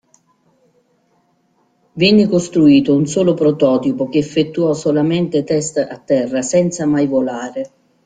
Venne costruito un solo prototipo che effettuò solamente test a terra senza mai volare.